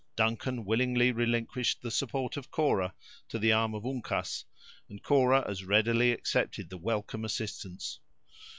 Duncan willingly relinquished the support of Cora to the arm of Uncas and Cora as readily accepted the welcome assistance.